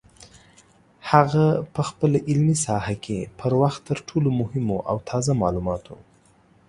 هغه په خپله علمي ساحه کې پر وخت تر ټولو مهمو او تازه معلوماتو